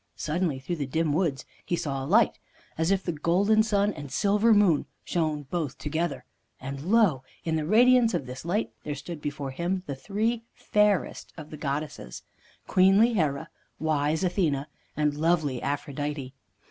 Suddenly through the dim woods he saw a light, as if the golden sun and silver moon shone both together. And, lo! in the radiance of this light there stood before him the three fairest of the godesses queenly Hera, wise Athene, and lovely Aphrodite.